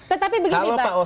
tetapi begini pak